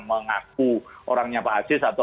mengaku orangnya pak aziz atau